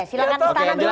silahkan istana dulu